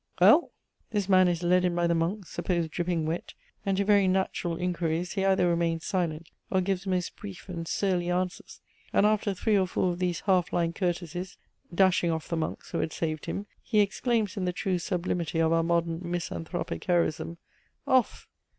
Well! This man is led in by the monks, supposed dripping wet, and to very natural inquiries he either remains silent, or gives most brief and surly answers, and after three or four of these half line courtesies, "dashing off the monks" who had saved him, he exclaims in the true sublimity of our modern misanthropic heroism "Off!